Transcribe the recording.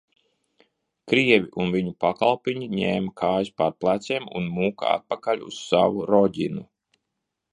"Krievi un viņu pakalpiņi ņēma kājas pār pleciem un muka atpakaļ uz savu "Roģinu"."